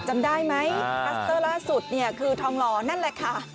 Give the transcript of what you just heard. จำได้ไหมคลัสเตอร์ล่าสุดเนี่ยคือทองหล่อนั่นแหละค่ะ